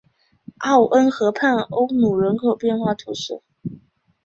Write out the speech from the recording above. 奥恩河畔欧努人口变化图示